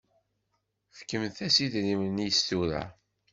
Fkemt-as idrimen-is tura.